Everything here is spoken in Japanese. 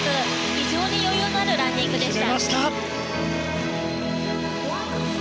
非常に余裕のあるランディングでした。